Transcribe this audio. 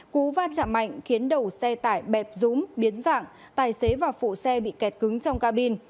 cú va chạm mạnh khiến đầu xe tải bẹp rúm biến dạng tài xế và phụ xe bị kẹt cứng trong cabin